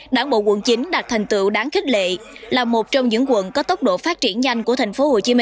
đảng bộ quận chín đạt thành tựu đáng khích lệ là một trong những quận có tốc độ phát triển nhanh của tp hcm